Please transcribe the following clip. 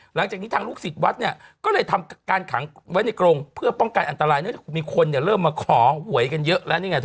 หลังจากนี้ทางลูกศิษย์วัดเนี่ยก็เลยทำการขังไว้ในกรงเพื่อป้องกันอันตรายเนื่องจากมีคนเนี่ยเริ่มมาขอหวยกันเยอะแล้วนี่ไงเธอ